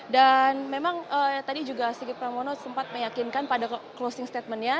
dan memang tadi juga sigit pramono sempat meyakinkan pada closing statementnya